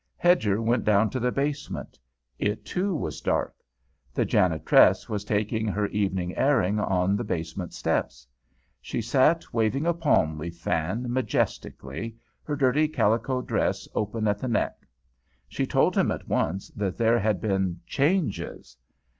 Hedger went down to the basement; it, too, was dark. The janitress was taking her evening airing on the basement steps. She sat waving a palm leaf fan majestically, her dirty calico dress open at the neck. She told him at once that there had been "changes."